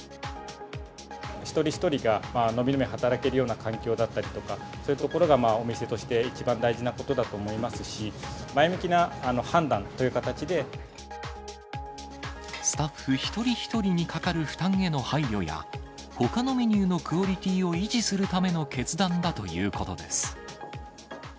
一人一人が伸び伸び働けるような環境だったりとか、そういうところがお店として一番大事なことだと思いますし、スタッフ一人一人にかかる負担への配慮や、ほかのメニューのクオリティーを維持するための決断だということです。